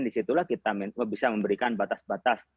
disitulah kita bisa memberikan batas batas